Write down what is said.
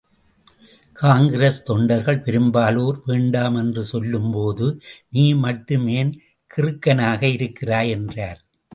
காங்கிரஸ் தொண்டர்கள் பெரும்பாலோர் வேண்டாம் என்று சொல்லும்போது நீ மட்டும் ஏன் கிறுக்கனாக இருக்கிறாய் என்றார்.